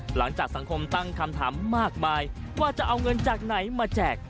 หลังจากสังคมตั้งคำถามมากมายว่าจะเอาเงินจากไหนมาแจก